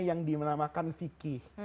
yang dimanamkan fikih